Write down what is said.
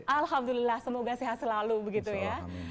alhamdulillah semoga sehat selalu begitu ya